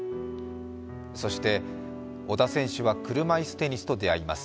そして小田選手は、車いすテニスと出会います。